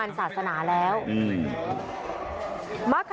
หัวเตียงค่ะหัวเตียงค่ะ